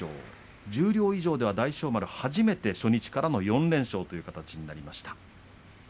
十両以上では大翔丸初めて初日からの４連勝という形になりました。